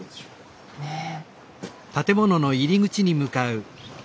ねえ。